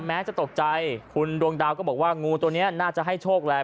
แม้จะตกใจคุณดวงดาวก็บอกว่างูตัวนี้น่าจะให้โชคแหละ